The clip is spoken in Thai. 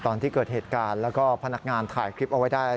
ตอนที่เกิดเหตุการณ์แล้วก็พนักงานถ่ายคลิปเอาไว้ได้